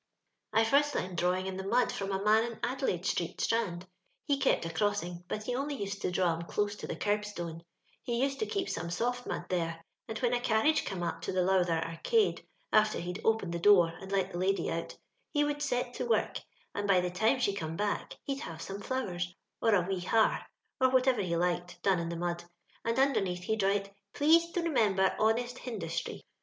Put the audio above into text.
'* I fust learnt drawing in the mud from a man in Adelaide street, Strand; he kept a crossing, but he only used to draw 'em close to the kerb stone, lie used to keep some soft mud there, and when a carriage come up to the Lowther Arcade, after he'd opened the door and let tbe lady out, he would set to work, and by tbe time she come back he'd have somo flowers, or a We Har, or whatever he liked, done iu the mud, and undemeatli he'd write, * Please to remember honnest hin dustr}'.'